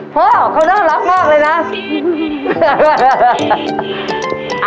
พ่อเขาน่ารักมากเลยนะ